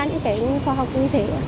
những khoa học ưu thế